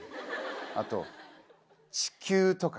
あと地球とか。